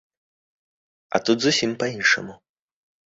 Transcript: А тут зусім па-іншаму.